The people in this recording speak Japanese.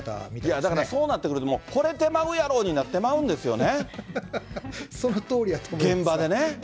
だから、そうなってくると、ほれてまうやろになってまうんでそのとおりやと思います。